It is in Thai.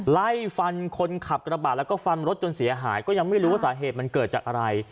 ไล่ฟันคนขับกระบาดแล้วก็ฟันรถจนเสียหายก็ยังไม่รู้ว่าสาเหตุมันเกิดจากอะไร